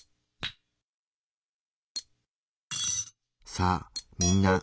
さあみんな。